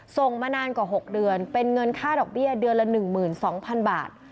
ทรงมานานกว่าหกเดือนเป็นเงินค่าดอกเบี้ยเดือนละหนึ่งหมื่นสองพันบาท